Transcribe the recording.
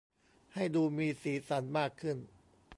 ให้ดูมีสีสรรค์มากขึ้น